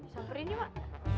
sabarin yuk mak